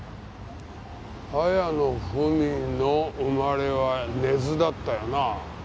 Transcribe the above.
綾野文の生まれは根津だったよな。